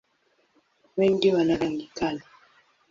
Wengi wana rangi kali.